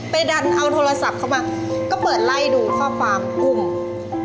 ดันเอาโทรศัพท์เข้ามาก็เปิดไล่ดูข้อความกุ้ง